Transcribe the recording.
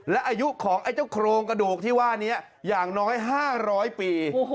และอายุของไอ้เจ้าโครงกระดูกที่ว่านี้อย่างน้อย๕๐๐ปี